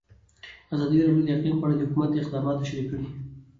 ازادي راډیو د اقلیم په اړه د حکومت اقدامات تشریح کړي.